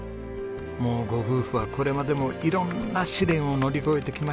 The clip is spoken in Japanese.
もうご夫婦はこれまでも色んな試練を乗り越えてきましたね。